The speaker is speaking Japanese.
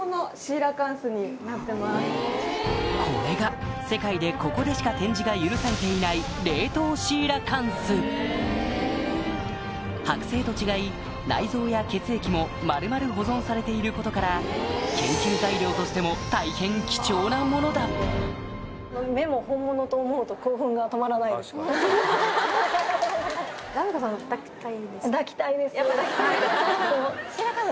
これが世界でここでしか展示が許されていない冷凍シーラカンスはく製と違い内臓や血液も丸々保存されていることからやっぱ抱きたい。